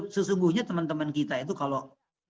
sesungguhnya teman teman kita itu kalau